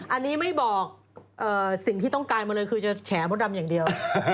อันนี้ไม่บอกสิ่งที่ต้องการมาเลยคือจะแฉมดดำอย่างเดียว